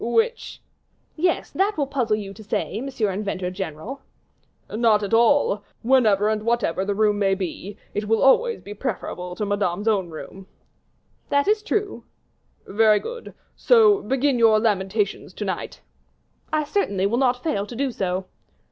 "Which?" "Yes, that will puzzle you to say, Mr. Inventor General." "Not at all; whenever and whatever the room may be, it will always be preferable to Madame's own room." "That is true." "Very good, so begin your lamentations to night." "I certainly will not fail to do so."